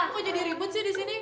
kok jadi ribut sih disini